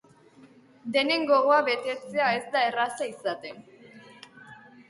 Denen gogoa betetzea ez da erraza izaten.